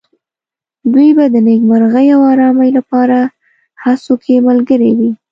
دوی به د نېکمرغۍ او آرامۍ لپاره هڅو کې ملګري وي.